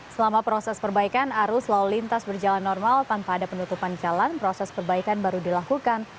selama proses perbaikan arus lalu lintas berjalan normal tanpa ada penutupan jalan proses perbaikan baru dilakukan